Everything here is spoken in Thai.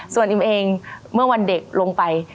ส่วนอิมเองเมื่อวันเด็กลงไป